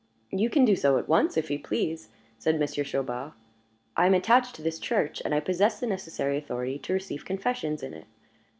"You can do so at once, if you please," said Monsieur Chaubard. "I am attached to this church, and I possess the necessary authority to receive confessions in it.